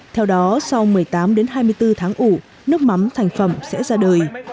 theo đó sau một mươi tám hai mươi bốn tháng ủ nước mắm thành phẩm sẽ ra đời